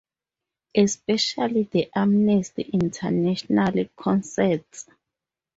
Especially the Amnesty International Concerts.